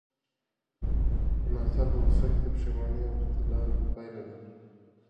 په ناڅاپه غوسه کې پښېماني د اختلال پایله ده.